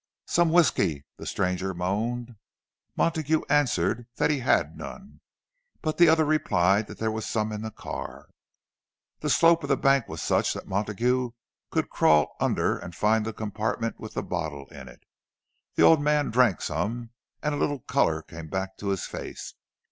"Some whisky," the stranger moaned. Montague answered that he had none; but the other replied that there was some in the car. The slope of the bank was such that Montague could crawl under, and find the compartment with the bottle in it. The old man drank some, and a little colour came back to his face.